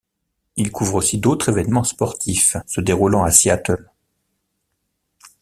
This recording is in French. Il couvre aussi d'autres événements sportifs se déroulant à Seattle.